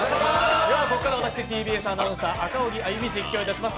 ここからは私、ＴＢＳアナウンサー、赤荻歩、実況いたします。